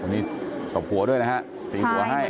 มีตบหัวด้วยนะครับตีตัวให้